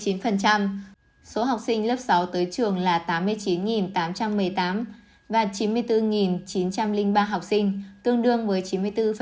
số học sinh lớp sáu tới trường là tám mươi chín tám trăm một mươi tám và chín mươi bốn chín trăm linh ba học sinh tương đương với chín mươi bốn